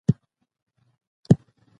ولي معنوي کلتور ته پاملرنه اړينه ده؟